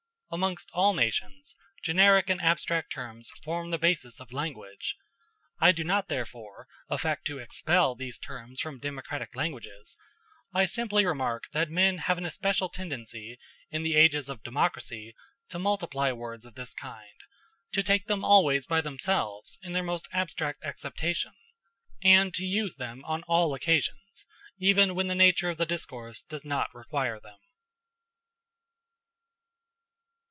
Amongst all nations, generic and abstract terms form the basis of language. I do not, therefore, affect to expel these terms from democratic languages; I simply remark that men have an especial tendency, in the ages of democracy, to multiply words of this kind to take them always by themselves in their most abstract acceptation, and to use them on all occasions, even when the nature of the discourse does not require them.